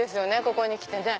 ここに来てね。